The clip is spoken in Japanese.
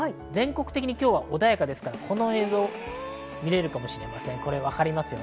全国的に今日は穏やかですから、この映像、見れるかもしれません。